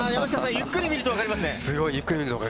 ゆっくり見るとわかりますね。